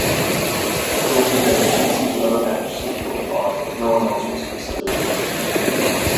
Roddenberry did see other actresses for the part, but no one else was considered.